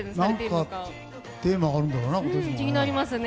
何かテーマがあるんだろうね